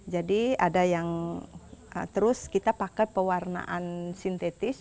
jadi ada yang terus kita pakai pewarnaan sintetis